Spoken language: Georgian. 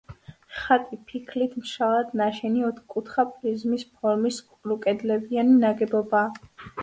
ხატი ფიქლით, მშრალად ნაშენი, ოთხკუთხა პრიზმის ფორმის ყრუკედლებიანი ნაგებობაა.